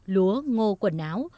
lúa ngô quần áo